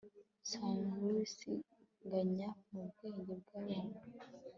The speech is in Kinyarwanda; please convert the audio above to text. Nzawusibanganya mu bwenge bwabantu